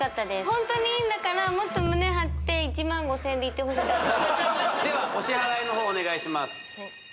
ホントにいいんだからもっと胸張って１万５０００円でいってほしかったではお支払いの方お願いします